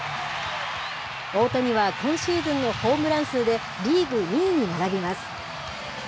大谷は今シーズンのホームラン数で、リーグ２位に並びます。